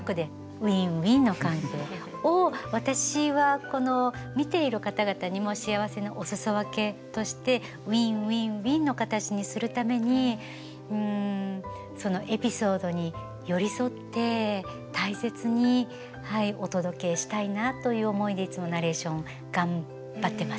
ウィンウィンの関係を私はこの見ている方々にも幸せのお裾分けとしてウィンウィンウィンの形にするためにそのエピソードに寄り添って大切にお届けしたいなという思いでいつもナレーション頑張ってます。